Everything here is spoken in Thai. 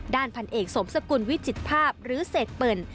พันเอกสมสกุลวิจิตภาพหรือเศษเปิ่น